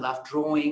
saya menyukai ruang